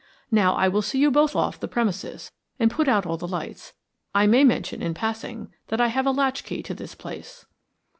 Now I will see you both off the premises and put out all the lights. I may mention in passing that I have a latchkey to this place."